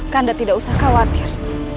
kanda tidak usah khawatir